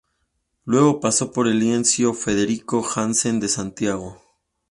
Luego pasó por el Liceo Federico Hansen de Santiago.